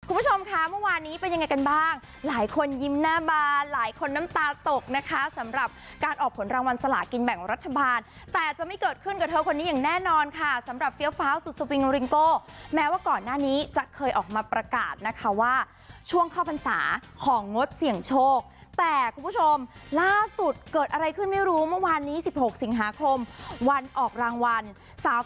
คุณผู้ชมค่ะเมื่อวานนี้เป็นยังไงกันบ้างหลายคนยิ้มหน้าบานหลายคนน้ำตาตกนะคะสำหรับการออกผลรางวัลสลากินแบ่งรัฐบาลแต่จะไม่เกิดขึ้นกับเธอคนนี้อย่างแน่นอนค่ะสำหรับเฟียร์ฟ้าวสุดสวิงโรลิงโก้แม้ว่าก่อนหน้านี้จะเคยออกมาประกาศนะคะว่าช่วงเข้าปรรรสาของงดเสี่ยงโชคแต่คุณผู้ชมล่า